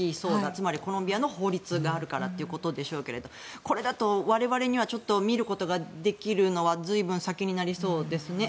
つまり、コロンビアの法律があるからということでしょうけどこれだと、我々には見ることができるのは随分、先になりそうですね。